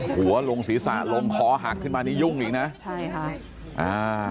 หัวลงศีรษะลงคอหักขึ้นมานี่ยุ่งอีกนะใช่ค่ะอ่า